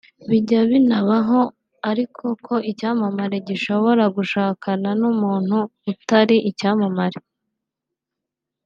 Bijya binabaho ariko ko icyamamare gishobora gushakana n’umuntu utari icyamamare